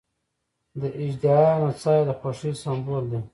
د اژدها نڅا یې د خوښۍ سمبول دی.